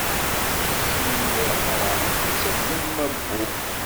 Cci n leḥṛam, ittafeg am wabbu.